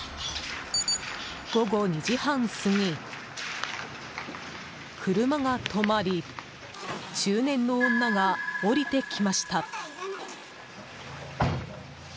午後２時半過ぎ、車が止まり中年の女が降りてきました。